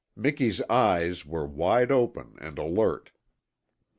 Miki's eyes were wide open and alert.